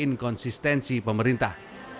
dan juga konsistensi pemerintah